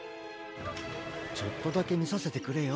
ちょっとだけみさせてくれよ。